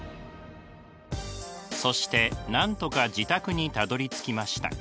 そしてなんとか自宅にたどりつきました。